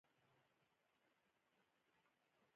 د کلیوالي میرمنو اقتصاد ښه شوی؟